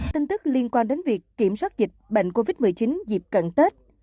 tin tức liên quan đến việc kiểm soát dịch bệnh covid một mươi chín dịp cận tết